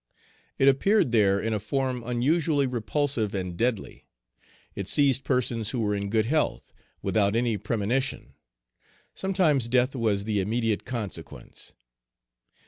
It appeared there in a form unusually repulsive and deadly. It seized persons who were in good health, without any premonition. Sometimes death was the immediate consequence.